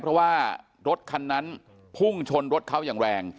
เพราะว่ารถคันนั้นพุ่งชนรถเขาอย่างแรง